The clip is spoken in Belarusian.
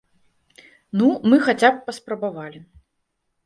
Ну, мы хаця б паспрабавалі.